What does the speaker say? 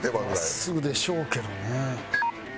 真っすぐでしょうけどね。